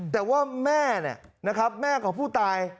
แต่ว่าแม่เนี่ยนะครับแม่ของผู้ตาย